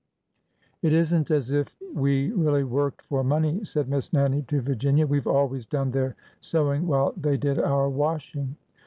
It is n't as if we really worked for money," said Miss Nannie to Virginia. " We 've always done their sewing while they did our washing."